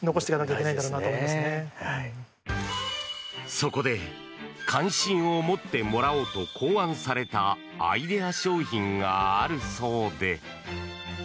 そこで関心を持ってもらおうと考案されたアイデア商品があるそうで。